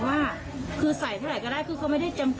อยากบอกสังคมเรื่องของการเล่นแชร์